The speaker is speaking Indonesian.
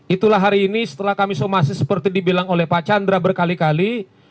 itulah hari ini setelah kami somasi seperti dibilang oleh pak chandra berkali kali